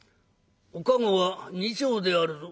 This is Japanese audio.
「お駕籠は２丁であるぞ」。